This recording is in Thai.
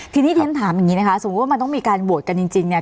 ทีนี้ที่ฉันถามอย่างนี้นะคะสมมุติว่ามันต้องมีการโหวตกันจริงเนี่ย